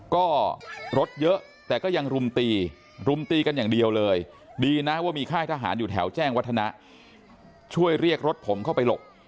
ก็รถเยอะแต่ก็ยังรุมตีรุมตีกันอย่างเดียวเลยดีนะว่ามีค่ายทหารอยู่แถวแจ้งวัฒนะช่วยเรียกรถผมเข้าไปหลบ